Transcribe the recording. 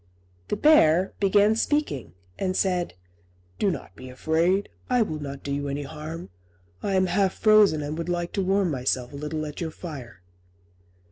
The bear began speaking, and said, "Do not be afraid: I will not do you any harm; I am half frozen, and would like to warm myself a little at your fire."